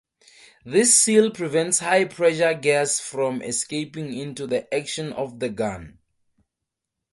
This seal prevents high-pressure gas from escaping into the action of the gun.